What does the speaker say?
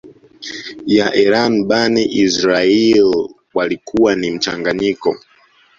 ya Iran Bani Israaiyl walikuwa ni mchanganyiko